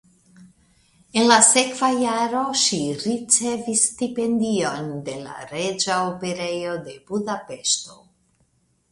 En la sekva jaro ŝi ricevis stipendion de la Reĝa Operejo de Budapeŝto.